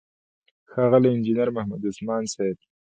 ښاغلی انجينر محمد عثمان صيب،